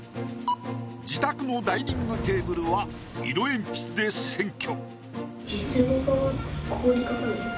自宅のダイニングテーブルは色えんぴつで占拠。